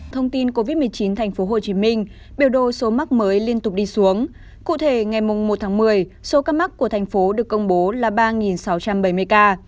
thông tin covid một mươi chín tp hcm biểu đồ số mắc mới liên tục đi xuống cụ thể ngày một tháng một mươi số ca mắc của thành phố được công bố là ba sáu trăm bảy mươi ca